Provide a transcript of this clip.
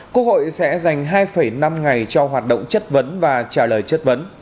quốc hội sẽ dành hai năm ngày cho hoạt động chất vấn và trả lời chất vấn